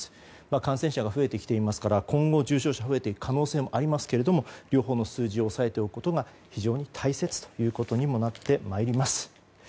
感染者が増えてきていますから今後、重症者が増えていく可能性もありますが両方の数字を押さえておくことが非常に大切になってきます。